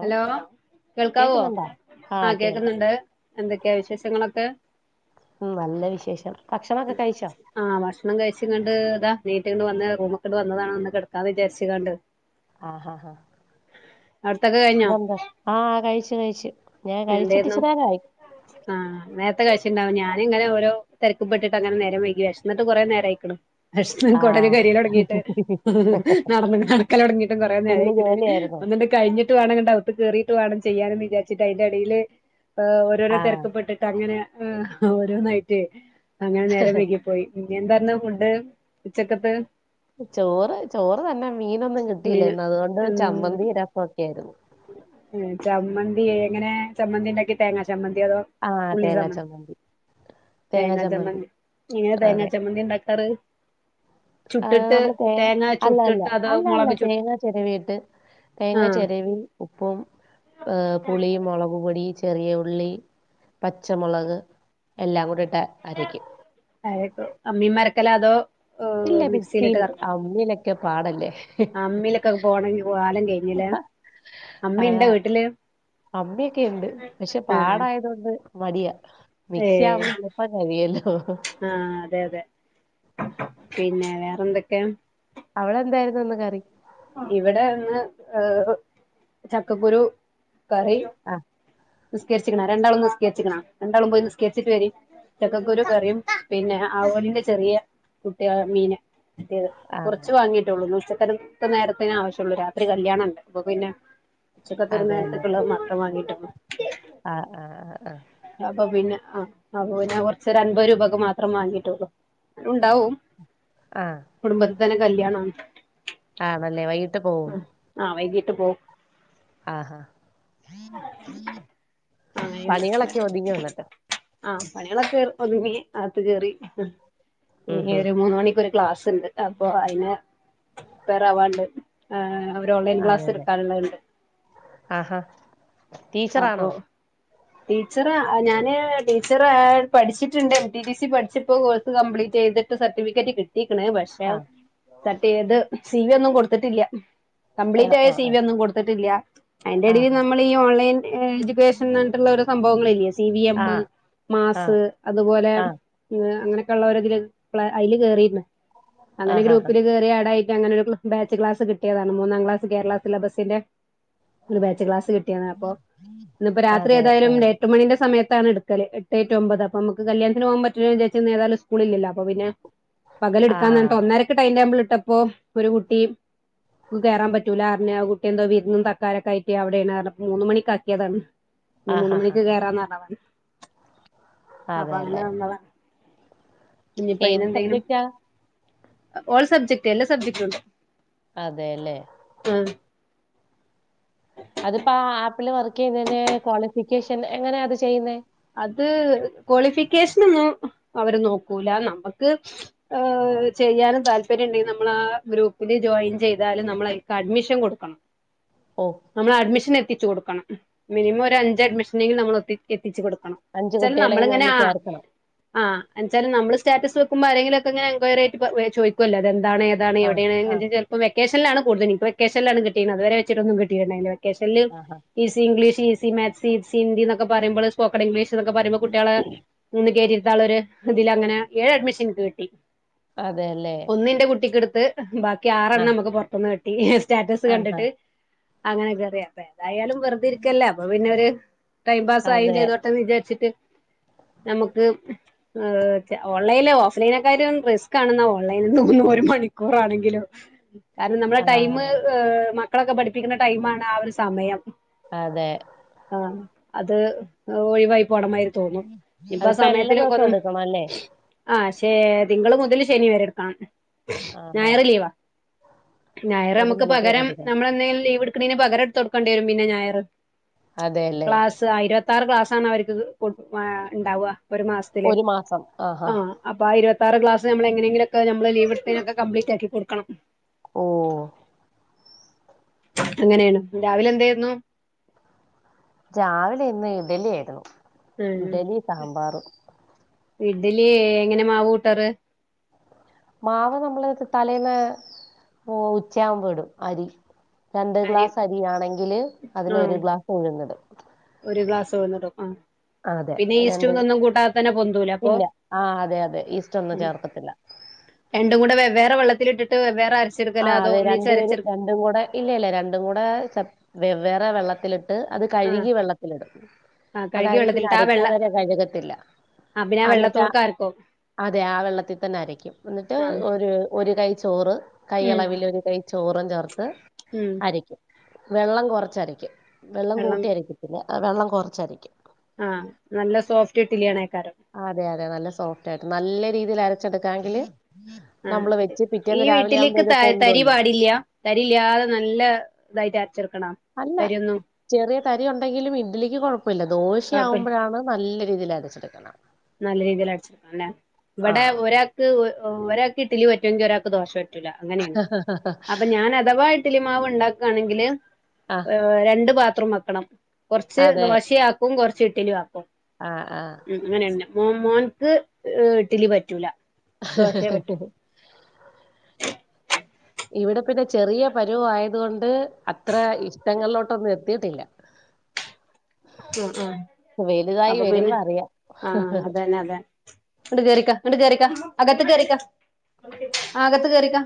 Hello കേൾക്കാവോ കേക്കുന്നുണ്ടോ ആ ആഹ് ഹ കേൾക്കാം കേൾക്കുന്നുണ്ട് എന്തൊക്കെയാ വിശേഷങ്ങളൊക്കെ ഉം നല്ല വിശേഷം ഭക്ഷണൊക്കെ കഴിച്ചോ ആഹ ഭക്ഷണം കഴിച്ച് കണ്ട് താ നീറ്റ്കണ്ട് വന്ന റൂമ്ക്കണ്ട് വന്നതാ ഒന്ന് കെടക്കാന്ന് വിചാരിച്ച് കാണ്ട് ആഹാ ആഹ അവിട്ത്തൊക്കെ കഴിഞ്ഞോ ഇത് എന്താ ആഹ കഴിച്ചു കഴിച്ചു എന്തേയിരുന്നു ഉ ആഹ് നേരത്തെ കഴിച്ചിണ്ടാവും ഞാന് ഇങ്ങനെ ഓരോതിരക്ക്പ്പെട്ടിട്ട് അങ്ങനെ നേരം വൈകി വിഷെന്നിട്ട് കുറെ നേര അയിക്ക്ണ് വെശന്ന് കൊടല് ആഹ് കര്യലൊട്ങ്ങിട്ട് ഉം നടന്ന നടക്കലൊടങ്ങിട്ടും കൊറേ ഫുള്ള് നേരായിക്ക്ണ് ജോലിയായിരുന്നു ഒന്ന്ണ്ട് കഴിഞ്ഞ്ട്ട് വാണം അവുത്ത് കേറീട്ട് വാണം ചെയ്യാന്ന്ന് വിചരിച്ചിട്ട് അതിന്റെടീല് ഓരോരോ ആഹ് തിരക്ക്പ്പെട്ടിട്ട് അങ്ങനെ ഓരോന്നായിറ്റ് അങ്ങനെ നേരം വൈകിപ്പോയി ഇയ്യ് എന്താന്ന് ഫുഡ് ഉച്ചക്കത്തെ ചോറ് ചോറ് തന്നെ മീനൊന്നും മീന് കിട്ടിയില്ലന്ന് അതുകൊണ്ട് ഉം ചമ്മന്തി രസൊക്കെ ആയിരുന്നു ചമ്മന്തി എങ്ങനെ ചമ്മന്തി ഉണ്ടാക്കി തേങ്ങ ചമ്മന്തി അതോ ആഹ് ഉള്ളി തേങ്ങാ ചമ്മ ചമ്മന്തി തേങ്ങാ ചമ്മന്തി എങ്ങനെ തേങ്ങാ അതെ ചമ്മന്തി ഉണ്ടാക്കാറ് ആഹ് ചുട്ടിട്ട് നമ്മള് തേ തേങ്ങ അല്ല അല്ല ചുട്ടിട്ട് അതോ അല്ല അല്ല മുളക് ചുട്ട് തേങ്ങ ചിരവിയിട്ട് തേങ്ങാ ആഹ് ചിരവി ഉപ്പും ഏഹ് പുളിയും മുളകപൊടി ഈ ചെറിയ ഉള്ളി പച്ചമുളക് എല്ലാം കൂടട്ട് അരക്കും അരക്കു അമ്മീമാരക്കല അതോ ഏഹ് ഇല്ല മിക്സിയിലിട്ട് മിക്സിയില് കറക്കും അമ്മിയിലൊക്കെ പാടല്ലേ അമ്മിലൊക്കെ പോണമെങ്കിൽ കാലം കഴും അമ്മില അതാ അമ്മിയൊക്കെുണ്ട് പക്ഷെ ആഹ് പാടായതൊണ്ട് മടിയാ മിക്സി ഏയ് ആവുമ്പോ എളുപ്പ കഴിയല്ലോ ആഹ് അതെ അതെ പിന്നെ വേറെന്തൊക്കെ അവടെന്തായിരുന്നു ഇന്ന്ക്കറി ഇവിടെ ഇന്ന് ഏഹ് ചക്കക്കുരു കറിയും ആഹ് നിസ്കേരിച്ക്ണോ രണ്ടാളും നിസ്കരിച്ക്ണോ രണ്ടാളും പോയി നിസ്കേച്ചിട്ട് വരി ചക്കക്കുരു കറിയും പിന്നെ ആവോലിന്റെ ചെറിയ കുട്ടികളാ മീന് കിട്ടിയത് ആ കുറച്ച് വാങ്ങീട്ടുള്ളൂ ഉച്ചക്കത്ത നേരത്തിന ആവശ്യള്ളു രാത്രി കല്യാണം ഉണ്ട് അപ്പൊ പിന്നെ ഉച്ചക്കത്ത ഒരു അത് നേരത്തേക്കുള്ള മാത്രം വാങ്ങീട്ടള്ളു ആഹ് ആഹ് ആഹ് ആഹ് അപ്പൊ പിന്നെ ആഹ് അപ്പൊ പിന്നെ കുറച്ചൊ അൻപത് രൂപക്കെ മാത്രം വാങ്ങീട്ടുള്ളു അതു ഉണ്ടാവും ആഹ് കുടുംബത്തിൽ തന്നെ കല്യാണാണ് ആണല്ലേ വൈകിട്ട് പോവും ആഹ് വൈകിട്ട് പോവും ആഹ് ആഹാ പണികളൊക്കെ ഒതുങ്ങിയോ എന്നിട്ട് ആഹ് പണികളൊക്കെ ഒതുങ്ങി ആത്ത് കേറി ഉം ഇനി ഹും ഒരു മൂന്ന് മണിക്കൊരു ഒ ക്ലാസ്ണ്ട് അപ്പൊ അയിന് പ്രിപ്പേർ ആവാണ്ട് ആഹ് അവര് ഓൺലൈൻ ക്ലാസ് എടുക്കാനുള്ളണ്ട് ആഹ് ഹാ അപ്പൊ ടീച്ചറാ ഞാന് ടീച്ചറാ പഠിച്ചിട്ടുണ്ട് എം ടിടിസി പഠിച്ചപ്പോ കോഴ്സ് കംപ്ലീറ്റ് ചെയ്തിട്ട് സർട്ടിഫിക്കറ്റ് കിട്ടിക്ണ് പക്ഷെ ആ സർട്ടിയ്ത് സി വി ഒന്നും കൊടുത്തിട്ടില്ല ആ കംപ്ലീറ്റ് ആയ ആ സി വി ഒന്നും കൊടുത്തിട്ടില്ല ആ അതിന്റെടിയിൽ നമ്മൾ ഈ ഓൺലൈൻ എഡ്യൂക്കേഷനാട്ടുള്ള ഓരോ സംഭവങ്ങള് ഇല്ലേ സി വി എം ആ ആ മാസ് അതുപോലെ ആ അങ്ങനൊക്കെള്ളേരതി പ്ലേ അതില് കേറിന്ന് ആ അങ്ങനെ ആ ഗ്രൂപ്പില് കേറി ഏടായി അങ്ങനെ ഒരു ബാച്ച്ക്ലാസ് കിട്ടിയതാണ് മൂന്നാം ക്ലാസ് കേരള സിലബസിന്റെ ഒരു ബാച്ച് ക്ലാസ് കിട്ടിയാണ് അപ്പൊ ഇന്ന് പ്പോ രാത്രി അതെ ആ ഏതായാലും ലേ എട്ടുമണിന്റെ സമയത്താണ് എടുക്കല് എട്ട് ടു ഒമ്പത് അപ്പ നമുക്ക് കല്യാത്തിന് പോകാൻ പറ്റുലന്ന് വിചാരിച്ചാ ഇന്നേതാലും സ്കൂള് ഇല്ലല്ലോ അപ്പോ പിന്നെ ആ പകലെടുക്കാഞ്ഞട്ട് ഒന്നരക്ക് ടൈം ടേബിൾ ഇട്ടപ്പോ ഒരു കുട്ടി കേയറാൻ പറ്റൂല അറിഞ്ഞ് കുട്ടി എന്തോ വിരുന്നും തക്കാരൊക്കെയായിട്ട് അവിടെന്ന്റഞ് മൂന്ന് മണിക്കാക്കി താണ് ആ ഇനി മൂന്ന് മണിക്ക് കയറാന്നാർഞ്ഞേ അപ്പൊ അതെ അങ്ങനെ അല്ലേ വന്നതാ നിപ്പോ ഏത് അയിനെന്തെങ്കിലും സബ്ജക്റ്റാ ഓൾ സബ്ജക്ട് എല്ലാ സബ്ജക്ടും ഉണ്ട് അതേല്ലേ ആഹ് അതിപ്പോ ആ ആപ്പിൽ വർക്ക് ചെയ്യുന്നെന്റെ ക്വാളിഫിക്കേഷൻ എങ്ങനെയാ അത് ചെയ്യുന്നേ അത് ക്വാളിഫിക്കേഷനൊന്നും അവര് നോക്കൂല നമുക്ക് ഹ് ചെയ്യാനും താല്പര്യം ഉണ്ടെങ്കിൽ നമ്മള് ആ ഗ്രൂപ്പില് ജോയിൻ ചെയ്താലും നമ്മൾ ആയിക്ക് അഡ്മിഷൻ കൊടുക്കണം ഓഹ് ന്നമ്മൾ അഡ്മിഷ്ൻ എത്തിച്ച് കൊട്ക്കണം മിനിമം ഒരഞ്ച് അഡ്മിഷനെങ്കിലും നമ്മൾ എത്തി എത്തിച്ച് കൊട്ക്കണം അഞ്ച് [unintelligible] ചെല് കുട്ടികളെങ്കിലും നമ്മ്ള്ങ്ങനാ നമ്മള് ചേർക്കണം. ആഹ് എന്ന്ച്ചാല് നമ്മള് സ്റ്റാറ്റസ് വെക്കുമ്പോ ആരെങ്കിലൊക്കങ്ങനെ എൻഗൊയറി ആയ്ട്ട് ചോയ്ക്കൊല്ലോ ഇതെന്താണ് അതാണ് ആഹ് എവിടേണ് ആഹ് എന്ന് ചെലപ്പം വെക്കേഷൻല്ലാണ് കൂടുതൽ ന്ക്ക് വെക്കേഷന് ലാണ്കിട്ടീണ്ത് ഇത് വെരെ വെച്ചിട്ടൊന്നും കിട്ടീണ് ണ്ടായിന്ന്ല്ല വെക്കേഷൻൽ ആഹാ ഈ സിഇഗ്ലീഷ് ഈസി മേത്സ് ഈസി ഹിന്ദി ന്നൊക്കെ പറിമ്പൾ സ്പോക്കണിഗ്ലീഷ് തൊക്കെ പറിമ്പൊ കുട്ട്യാളെ നിന്ന് കേറ്റിര്ത്താളൊര് ഇതില് അങ്ങനെ ഏഴ് അഡ്മിഷ്ൻ ഇൻക്ക് കിട്ടി അതേല്ലെ ഒന്ന്ന്റെ കുട്ടിക്ക് ഇട്ത്ത് ബാക്കി ആറെണ്ണം നമ്ക്ക് പൊർത്ത്ന്ന് കിട്ടി സ്റ്റാറ്റസ് ആഹാ കണ്ട്ട്ട് അങ്ങനെ കേറിയ അപ്പെ ന്തായാലും വെറ്തെര് ക്കല്ലെ അപ്പൊ പിന്നൊരു ടൈംമ്പാസായി അതെ പത്ത്ന്ന് വിചാര്ച്ച്ട്ട് നമുക്ക് അഹ് ച്ചെ ഓൺലൈൽ ഓഫ് ലൈനെക്കായ്റ്റിലും റിസ്ക്കാണ്ന്നാ ഓൺലൈൻന്ന് തോന്നൂ ഒരു മണിക്കൂറാണെങ്കിലോ കാരണം നമ്മളെ ടൈമ് ആഹ് അ മക്കളൊക്കെ പഠിപ്പിക്ക്ന്ന ടൈമാണാ ആ ഒര് സമയം അതെ ആഹ്അത് ഓയ് വായി പോണമയ്ര് തോന്നും ഇപ്പാ അതിപ്പോ എല്ലാ ദിവസവും സമയത്തിലൊക്കൊന്നും എടുക്കണം അല്ലേ? ആഹ്ശേരി തിങ്കൾ മുതൽ ശനിവരെ ഇട്ക്കണം ആഹാ ഞായർ ലീവാ ഒരു ഞായറമ്മ മണിക്കൂർ ക്ക്പകരം എടുക്കണം. ന്നമ്മളെന്നേലും ലീവ്ട്ക്ക്ണേന് പകരം- ഇട്ത്തൊട്ക്കെണ്ടി വരും പിന്നെ ഞായറ് അതേല്ലേ [inaudible] ഇര്വത്താറ് ക്ലാസ് ആണ് അവര്ക്ക് കൊട് വാ ണ്ടാവാ ഒര് മാസ്ത്തില് ഒരു മാസം ആഹാ ആഹ് അപ്പാ ആ ഇര്വത്താറ് ക്ലാസ് ന്നമ്മ്ളെ ങ്ങനേങ്കിലൊക്കെ നമ്മ്ള് ലീവ്ട്ത്തേനൊക്കെ കംബ്ലി റ്റാക്കി ക്കൊട്ക്കണം ഓഹ് അങ്ങനേണ് രാവിലെ എന്തേര്ന്നു രാവിലെ ഇന്ന് ഇഡലിആയിര്ന്നു ഉം ഇഡ്ഡ്ലീ എങ്ങനെ മാവ്കൂട്ടാറ് മാവ് നമ്മള് തലേന്ന് ഉച്ചയാവ്മ്പം ഇടും അരി രണ്ട് അരി ഗ്ലാസ് അരിയാണെങ്കില് ആ അതിനൊരു ഗ്ലാസ് ഉഴ്ന്ന്ടും ഒരു ഗ്ലാസ് ഉഴ്ന്ന്ടും ആഹ് അതെ പിന്നെ രണ്ട് ഈസ്റ്റുംതൊന്നും കൂട്ടാത് ത്തന്നെപൊന്തൂല പ്പൊ ഇല്ല ആ അതെ അതെ ഈസ്റ്റ് ഒന്നും ഉം ചേർക്കത്തില്ല രണ്ടുംകൂടെ വെവ്വേറെ വെള്ളത്ത്ല്ട്ട്ട്ട് വെവ്വേറെ അരച്ചെട്ക്കലാ അതോ ഒന്നിച്ച് അരച്ചെടു രണ്ടുംകൂടെ ഇല്ല ഇല്ല രണ്ടുംകൂടെ വെവ്വേറെ വെള്ളത്ത്ല്ട്ട് ഇട്ട് ആ അത്കഴ്കി ആ കഴുകി വെള്ളത്തില്ടുംഅതായത് പിന്നെ വെള്ളത്തിലിട്ട് ആ അരക്കാൻ വെള്ള നേരം കഴുകത്തില്ല ആ പിന്നെ ആ അന്ന്ട്ടാ വെള്ളത്തോട്ക്ക് അരക്കും അതെ ആ വെള്ളത്തിൽതന്നെ അരക്കും ആ എന്നിട്ടൊരു ഒരുകൈ ചോറ് കൈ ഉം അളവിൽ ഒരുകൈ ചോറും ചേർത്ത് ഉം വെക്കും വെള്ളം കൊറച്ചരക്കും വെള്ളം കൂട്ടിയരക്കത്തില്ല വെള്ളംകൊറച്ചരക്കും ആഹ് നല്ല സോഫ്റ്റ്ഡ്ല്യാക്കാരം അതെ അതെ നല്ല സോഫ്റ്റായ്ട്ട് നല്ല രീതിലരച്ചെട്ക്കാങ്കില് ആഹ് ഈ ഇഡ്ഡിലിക്ക് ത തരി പൊന്തുവല്ലോ പാടില്ലാ തരില്യാതെ നല്ല ഇതായിട്ട് അരച്ചെടുക്കണം അല്ല തരിയൊന്നും ചെറിയതരി ഒണ്ടെങ്കിലും ഇഡ്ലിക്ക് കൊഴപ്പയില്ല കൊഴപ്പ ദോശയാവ്മ്പഴാണ് നല്ല രീതീലരെച്ചെടുക്കണം നല്ല രീതിലടിച്ചെട്ക്കണം ല്ലെ ഇവ്ടെ ആഹ് ഒരാക്ക് ഒഒരാക്ക് ഇഡ്ലി പറ്റൊങ്കി ഒരാക്ക് ദോശ പറ്റ് റ്റൂല അങ്ങനേണ് അപ്പം ഞാനഥവാ ഇഡ്ലിമാവ് ഇണ്ടാക്കാണെങ്കില് ആ അ് രണ്ട് പാത്രംവെക്കണം കൊറ്ച്ച് ദോശെയാക്കും കൊറ്ച്ച് ഇഡ്ലിയാക്കും - ആഹ്ആഹ് അങ്ങനെ തന്നെ മോന് മോൻക്ക് ഇഡ്ഡ്ലിപറ്റൂല ഹ്ഹ്ഹ്ഹ് ഹ് ഇവ്ടെ പിന്നെ ചെറിയ പര്വായത്കൊണ്ട് അത്ര ഇഷ്ടങ്ങളിലോട്ടൊന്നും എത്തീട്ടില്ല ഉം വലുതായി ഉംഅപ്പപിന്നെ വരുമ്പോ അറിയാം ആഹ്അതന്നതെ ഇങ്ങട് കേറിക്ക ഇങ്ങട് കേറിക്ക അകത്ത് കേറിക്ക് ആകത്ത് കേറിക്ക്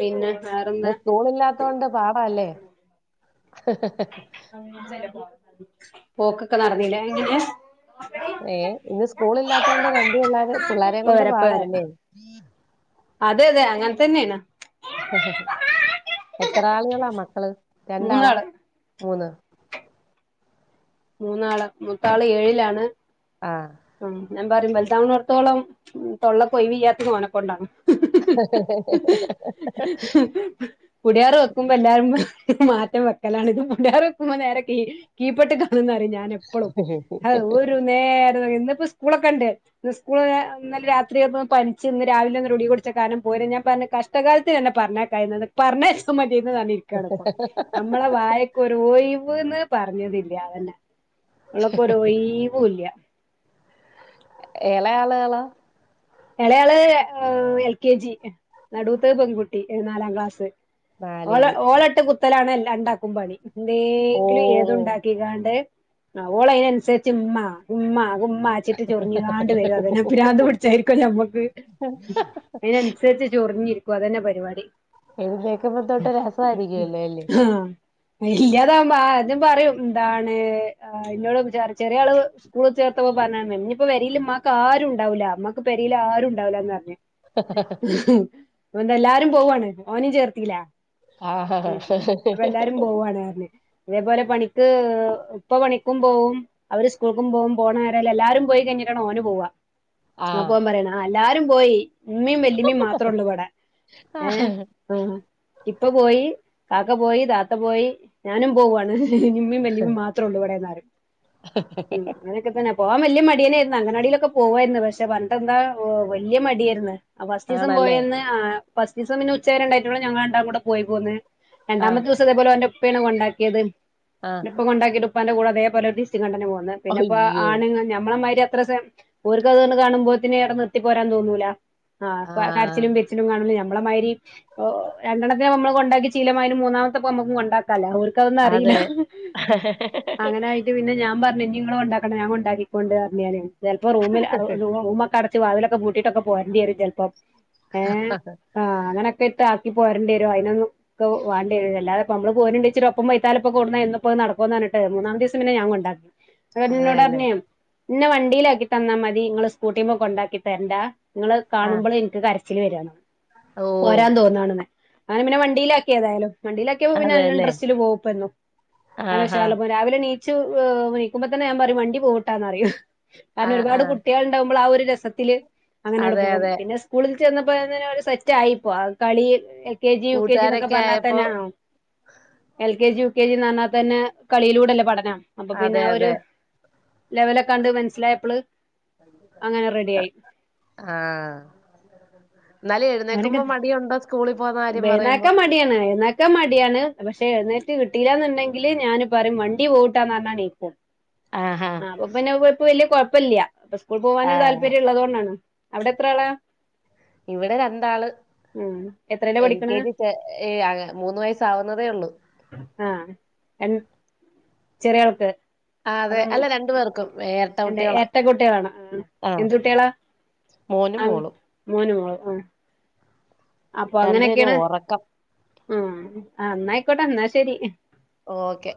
പിന്നെ വേറെ- ഇന്ന് സ്കൂളില്ലാത്തോണ്ട് പാടാല്ലേ പോക്കൊക്കെ നടന്നീല്ലേ എങ്ങനെ ഏ ഇന്ന് സ്കൂളില്ലാത്തോണ്ട് രണ്ടു പിള്ളേര് പിള്ളാരെ ഇപ്പ കൊണ്ട് വരാ ഇപ്പ വരാ പാടാല്ലേ അതെ അതെ അങ്ങനെതന്നേണ് എത്ര ആളുകളാ മക്കള് രണ്ടാളാ മൂന്നാള് മൂന്ന് മൂന്നാള് മൂത്താള് ഏഴിലാണ് ആഹ് ഉം ഞാൻ പറയും വലുതാവണോട്ത്തോളം തൊള്ളക്ക് ഒയ്വില്ലാത്തത് ഓനക്കൊണ്ടാണ് [unintelligible] വെക്കുമ്പോ എല്ലാരും മാറ്റം വെക്കലാാണ് ഇത് [unintelligible] വെക്കുമ്പോ നേരെ കീ കീപൊട്ടേക്ക് ഞാൻ പറയും എപ്പളും ഒരു നേരം ഇന്നിപ്പോ സ്കൂളൊക്കെ ഇണ്ട് ഇന്ന് സ്കൂള് ഇന്നലെ രാത്രി ഒന്ന് പനിച്ച് ഇന്ന് രാവിലെ ഗുളിക കുടിച്ച കാരണം പോര് ഞാൻ പറഞ്ഞ് കഷ്ടകാലത്തിന് അന്നെ പറഞ്ഞേക്കായിരുന്നത് പറഞ്ഞയച്ചാ മതിയായിരുന്നു പറഞ്ഞ് ക്കണ് നമ്മളെ വായക്ക് ഒരു ഒഴിവ്ന്ന് പറഞ്ഞതില്ല അതന്നെ ഒള്ളപ്പൊ ഒരൊയിവുല്ല എളയ ആള് ആളാ എളയ ആള് ഏഹ് എൽ കെ ജി നടൂത്തത് പെൺകുട്ടി നാലാം ക്ലാസ് ഓളെ നാലില് ഓളട്ട് കുത്തലാണ് രണ്ടാക്കും ക്കും പണി ഓ എന്തേങ്കിലും ഏതുണ്ടാക്കി കാണ്ട് ഓള് അതിനനുസരിച്ച് ഉമ്മ ഉമ്മ ഉമ്മ അച്ചിട്ട് ചൊറിഞ്ഞ്ങ്ങാണ്ട് വരും പിന്നെ ഭ്രാന്ത്‌ പിടിച്ചായിരിക്കു നമ്മക്ക് അതിനനുസരിച്ച് ചൊറിഞ്ഞിരിക്കും അതന്നെ പരിപാടി എഴുന്നേക്കുമ്പോ തൊട്ട് രസായിരിക്കുവല്ലോല്ലേ? ആഹ് ഇല്ലാതാവുമ്പോ ആഹ് അതും പറയും എന്താണ് ഇന്നോട് ചെറിയ ചെറിയ ആള് സ്കൂളില് ചേർത്തപ്പോ പറഞാണ് ഇനിയിപ്പോ പെരേല്ഉമ്മാക്ക് ആരുണ്ടാവൂല്ല ഉമ്മാ ക്ക് പെരേല് ആരുണ്ടാവുല്ലാന്ന് പറഞ്ഞ് അത്കൊണ്ട് എല്ലാരും പോവാണ് ഓനിം ചേർത്തീല ആ മം അപ്പൊ എല്ലാരും പോവാണ് പറഞ്ഞ്. ഇതേപോലെ പണിക്ക് ഉപ്പ പണിക്കും പോവും, അവര് സ്കൂള്ക്കും പോവും പോകണ നേരായാല് എല്ലാരും പോയി കഴിഞ്ഞിട്ടാണ് ഓന് പോവ അപ്പോ ആ ഓൻ പറയണ് ആഹ് എല്ലാരും പോയി ഉമമീം വല്ലിമ്മേം മാത്രേ ഒള്ളൂ ഇവിടെ ആ. ഏഹ് ആഹ് ഇപ്പ പോയി, കാക്ക പോയി താത്ത പോയി, ഞാനും പോവാണ് ഉമ്മേം വല്ലിമ്മേം മാത്രൊള്ളു ഇവിടെന്ന് പറയും മം പോവാൻ വല്യ മടിയനേയിരുന്ന് അംഗനാടിയിലൊക്കെ പോവായിരുന്നു, പക്ഷെ പറഞ്ഞിട്ട് എന്താ വല്യ മടിയേർന്ന്. ഫസ്റ്റീസം ആണല്ലേ പോയന്ന് ഫസ്റ്റീസം പിന്നെ ഉച്ചവരെ ഉണ്ടായിട്ടൊള്ളോ ഞങ്ങള് രണ്ടാളും കൂടെ പോയി പോന്ന്. ആ രണ്ടാമത്തെ ദിവസം അതേപൊലെ ഓന്റെ ഉപ്പേണ് കൊണ്ടാക്കിയത് ആ ഉപ്പ കൊണ്ടാക്കിട്ട് ഉപ്പാന്റെ കൂടെ അതേപോലെ തിരിച്ച് ഇങ്ങട്ട് തന്നെ പോന്ന്. പിന്നെപ്പോ അയ്യോ ആണ് ഞമ്മളെ മാതിരി അത്ര ഓർക്ക് അത് കാണുമ്പോത്തിന് അവിടെ നിർത്തി പോരാൻ തോന്നൂല. ആ കരച്ചിലും പിരിച്ചിലും കാണും ഞമ്മളെ മാതിരി രണ്ടെണത്തിനെ നമ്മള് കൊണ്ടാക്കി ശീലമായി, മൂന്നാമത്തെ നമുക്ക് കൊണ്ടാ ക്കാലോ ഓർക്ക് അതൊന്നും അറിയില്ല അതെ അങ്ങനെ ആയിട്ട് പിന്നെ ഞാൻ പറഞ്ഞ്. ഇനി നിങ്ങള് കൊണ്ടാക്കണ്ട ഞാൻ കൊണ്ടാക്കിക്കൊണ്ട് പറഞ്ഞ് ഞാന് ചെലപ്പോ റൂമിൽ റൂമൊക്കെ അടച്ച് വാതിലൊക്കെ പൂട്ടിട്ടൊക്കെ പോരെണ്ടി വരും ചെലപ്പോ അഹ് ആഹ് അങ്ങനൊക്കെ ഇട്ട് ആക്കി പോരേണ്ടി വരും അയിനൊന്നും വേണ്ടി വരും അല്ലാതെ ഇപ്പോ നമ്മള് പോര്ണ്ട് വെച്ച് ഒപ്പം വൈത്താലപ്പൊ കൊടുന്ന എന്നും ഇപ്പോ നടക്കോന്ന് പറഞ്ഞിട്ട് മൂന്നാമത്തെ ദിവസം പിന്ന ഞാൻ കൊണ്ടാക്കി എന്നിട്ട് ഇന്നോട് അതെല്ലേ പറഞ് ഇന്നെ വണ്ടിയിലാക്കി തന്നാ മതി നിങ്ങള് സ്കൂട്ടിമെ കൊണ്ടാക്കി തരണ്ടാ ഇങ്ങളെ ആ കാണുമ്പളെ എനിക്ക് കരച്ചില് വരാണ് ഓ പോരാൻ തോന്നാണ്ന്ന്. അങ്ങനെ പിന്നെ വണ്ടിയിലാക്കി ഏതായാലും വണ്ടീലാക്കിയപ്പോ പിന്നെ നല്ല അതെല്ലേ ഇൻഡ്രസ്റ്റ്ല് പോവും ഇപ്പൊഎന്നും നല്ല ആഹാ ഉശാറില് പോവും, രാവിലെ ണീ ച്ചു വെയ്ക്കുമ്പോ തന്നെ ഞാൻ പറയും വണ്ടി പോവുട്ടോന്ന് പറയും. ആ കാരണം ആ ഒരുപാട് കുട്ട് ട്ട്യേളുണ്ടാവുമ്പളാ ആ ഒരു രസത്തില് അങ്ങനെട് അതെ പോവും. അതെ പിന്നെ സ് കൂളിൽ ചെന്നപ്പോന്നൊരു സെറ്റായിപ്പോ ആ കളി L K G U K ജിന്നൊക്കെ കൂട്ടുകാരൊക്കെ പറഞ്ഞാ ആയപ്പോ തന്നെ ആവും. L K G, U K ജിന്ന് പറഞ്ഞാതന്നെ കളിയിലൂടല്ലേ പഠനം. അപ്പൊ പിന്നെ അതെ ആ ഒരു അതെ ലെവലൊക്കെ കണ്ട് മനസ്സിലായപ്പോൾ അങ്ങനെ റെഡി ആയി. ആഹ്. എന്നാല് അങ്ങനെയൊക്കെ എഴുന്നേക്കുമ്പോ മടിയുണ്ടോ സ്കൂളി പോന്ന കാര്യം പറയുമ്പോ? എഴുന്നേക്കാൻ മടിയാണ് എഴുന്നേൽക്കാൻ മടിയാണ്. പക്ഷെ എഴുന്നേറ്റ് കിട്ടീല്ലന്നുണ്ടെങ്കില് ഞാന് പറയും വണ്ടി പോവുട്ടോ ന്ന് പറഞ്ഞ എണീക്കും. ആഹാ ആ അപ്പോ പിന്നെ ഇപ്പോ വല്യ കൊഴപ്പല്ല്യ. ഇപ്പൊ സ്കൂൾ പൊവാന് ആ ഒരു താല്പര്യ ഉള്ളതോണ്ടാണ്. അവിടെ എത്രാളാ? ഇവിടെ രണ്ടാള്. ഉം എത്രയിലാ എൽ പഠിക്കണെ കെ ജി ചേ ഏഹ് അഅ മൂന്ന് വയസ്സാവുന്നതേ ഉള്ളു. ആഹ് എൻ ചെറിയാൾക്ക്. ആഹ് അതെ അല്ല രണ്ടു പേർക്കും ഏ എൻ്റെ എരട്ട കുട്ട്യകളാണ് ആഹ്. എന്ത് കുട്ടിയാളാ മോനും ആ മോളും മോനും മോളും ആഹ്. അപ്പൊ രണ്ടുപേരും അങ്ങനെക്കേണ് ഉറക്കം ഉം ആഹ് എന്നായിക്കോട്ടെ എന്നാ ശരി. ഓക്കെ.